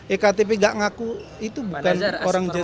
ektp enggak ngaku itu bukan orang gentleman